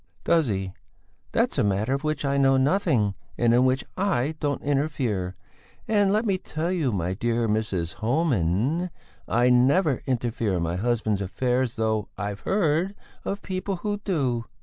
"Does he? That's a matter of which I know nothing, and in which I don't interfere, and let me tell you, my dear Evelyn, I never interfere in my husband's affairs, though I've heard of people who do."